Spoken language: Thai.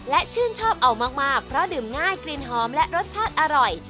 และชื่นชอบเอามากเพราะดื่มง่ายกลิ่นหอมและรสชาติอร่อย